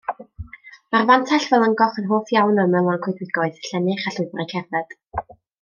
Mae'r Fantell felyngoch yn hoff iawn o ymylon coedwigoedd, llennyrch a llwybrau cerdded.